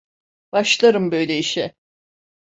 Başlarım böyle işe!